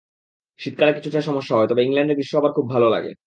শীতকালে কিছুটা সমস্যা হয়, তবে ইংল্যান্ডের গ্রীষ্ম আমার খুব ভালো লাগে।